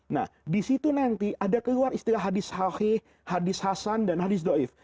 nah disitu nanti ada keluar istilah hadis hakhih hadis hasan dan hadis do'if